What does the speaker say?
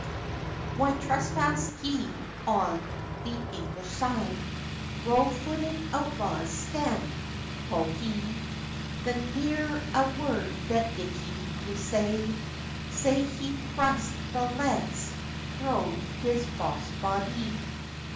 "Why trespass ye on the English side? Row footed outlaws, stand!" quo he; The neer a word had Dickie to say, Sae he thrust the lance thro his fause bodie.